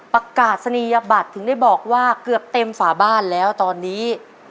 ประกาศนียบัตรถึงได้บอกว่าเกือบเต็มฝาบ้านแล้วตอนนี้